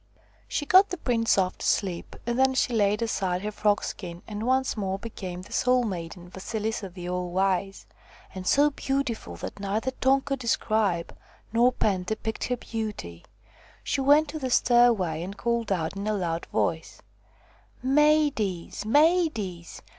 She got the prince off to sleep, and then she laid aside her frogskin and once more became the Soul maiden, Vasilisa the All wise, and so beautiful that neither tongue could describe nor pen depict her beauty. She went to the stairway and called out in a loud voice :" Maidies ! maidies